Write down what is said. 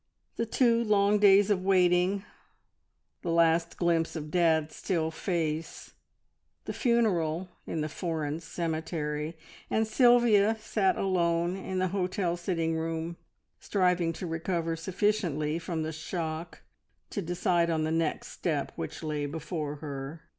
The two long days of waiting, the last glimpse of dad's still face, the funeral in the foreign cemetery, and Sylvia sat alone in the hotel sitting room, striving to recover sufficiently from the shock to decide on the next step which lay before her.